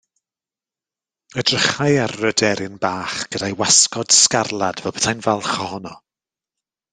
Edrychai ar yr aderyn bach gyda'i wasgod sgarlad fel petai'n falch ohono.